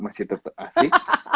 masih tetep asik